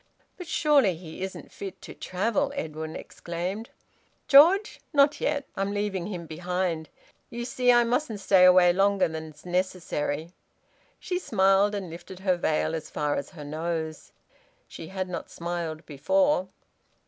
"But surely he isn't fit to travel?" Edwin exclaimed. "George? Not yet. I'm leaving him behind. You see I mustn't stay away longer than's necessary." She smiled, and lifted her veil as far as her nose. She had not smiled before.